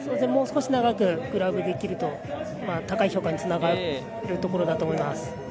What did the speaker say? もう少し長くグラブできると高い評価につながるところだと思います。